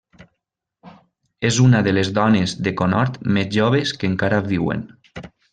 És una de les dones de conhort més joves que encara viuen.